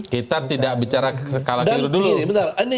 kita tidak bicara kekalakiru dulu